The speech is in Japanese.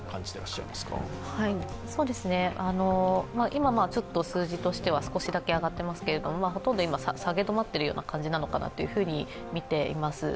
今、ちょっと数字としては少しだけ上がっていますけれども、ほとんど今、下げ止まっているような感じなのかなと見ています。